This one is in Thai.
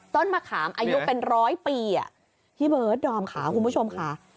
มะขามอายุเป็นร้อยปีอ่ะพี่เบิร์ดดอมค่ะคุณผู้ชมค่ะ